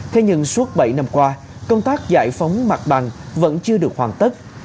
thế nhưng suốt bảy năm qua công tác giải phóng mặt bằng vẫn chưa được hoàn tất